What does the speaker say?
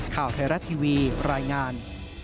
ข่าวไทยรัฐทีวีรายงาน